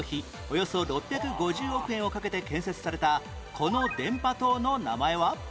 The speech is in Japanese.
およそ６５０億円をかけて建設されたこの電波塔の名前は？